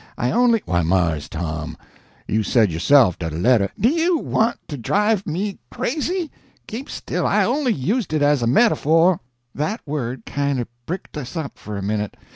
I only—" "Why, Mars Tom, you said yo'self dat a letter—" "Do you want to drive me crazy? Keep still. I only used it as a metaphor." That word kinder bricked us up for a minute.